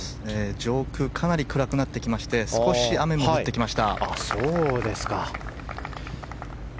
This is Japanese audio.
上空、かなり暗くなってきまして少し雨も降ってきました。